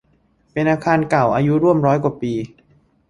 เป็นอาคารเก่าอายุร่วมร้อยกว่าปี